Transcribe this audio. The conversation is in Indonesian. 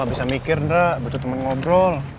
gua gabisa mikir ndra butuh temen ngobrol